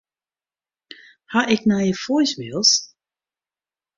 Ha ik nije voicemails?